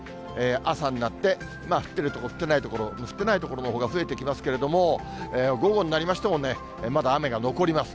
朝になって、降っている所、降っていない所、降ってない所のほうが増えてきますけれども、午後になりましてもね、まだ雨が残ります。